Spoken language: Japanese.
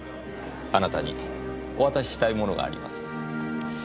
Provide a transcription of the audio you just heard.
あなたにお渡ししたいものがあります。